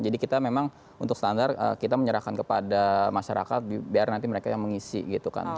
jadi kita memang untuk standar kita menyerahkan kepada masyarakat biar nanti mereka yang mengisi gitu kan